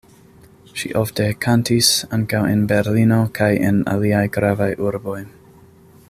Ŝi ofte kantis ankaŭ en Berlino kaj en aliaj gravaj urboj.